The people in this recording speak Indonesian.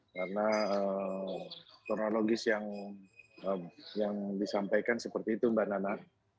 karena kronologis yang disampaikan seperti itu mbak nana